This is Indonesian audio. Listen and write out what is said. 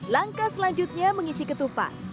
langkah selanjutnya mengisi ketupat